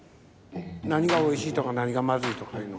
何がおいしいとか何がまずいとかいうの。